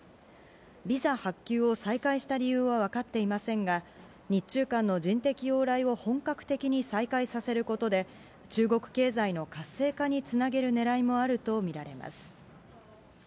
ビザ発給を再開した理由は分かっていませんが、日中間の人的往来を本格的に再開させることで、中国経済の活性化につなげるねらいもあると見られます。